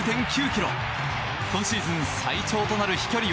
今シーズン最長となる飛距離